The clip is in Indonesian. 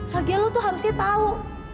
lagian lo tuh harusnya tau